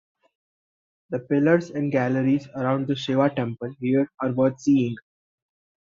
The pillars and galleries around the Shiva temple here are worth seeing.